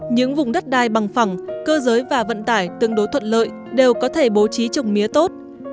những vùng đất đai bằng phẳng cơ giới và vận tải tương đối thuận lợi đều có thể bố trí trồng mía tốt